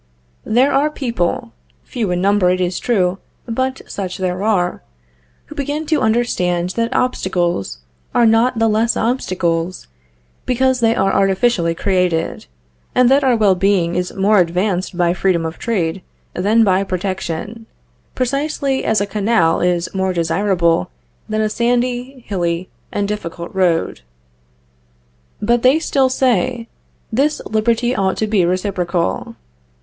There are people (few in number, it is true, but such there are) who begin to understand that obstacles are not the less obstacles, because they are artificially created, and that our well being is more advanced by freedom of trade than by protection; precisely as a canal is more desirable than a sandy, hilly, and difficult road. But they still say, this liberty ought to be reciprocal.